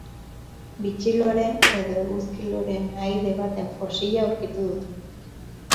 Bitxiloreen edo eguzki loreen ahaide baten fosila aurkitu dute.